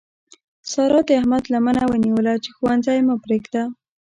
سارا د احمد لمنه ونیوله چې ښوونځی مه پرېږده.